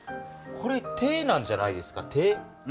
これ手なんじゃないですか？